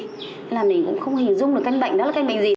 thế là mình cũng không hình dung được căn bệnh đó là căn bệnh gì